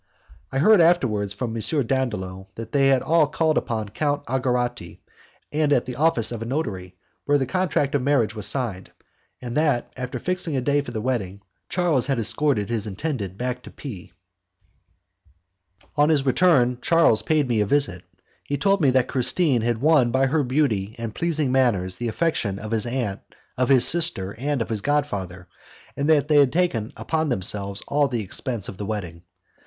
I heard afterwards from M. Dandolo that they all called upon Count Algarotti, and at the office of a notary, where the contract of marriage was signed, and that, after fixing a day for the wedding, Charles had escorted his intended back to P . On his return, Charles paid me a visit. He told me that Christine had won by her beauty and pleasing manners the affection of his aunt, of his sister, and of his god father, and that they had taken upon themselves all the expense of the wedding.